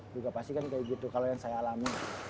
juga pasti kan kayak gitu kalau yang saya alami